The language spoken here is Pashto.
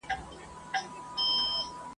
په ځان روغ وو رنګ په رنګ یې خوراکونه ..